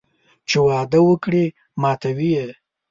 چې وعده وکړي ماتوي یې